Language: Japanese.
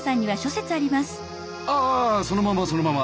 ああそのままそのまま。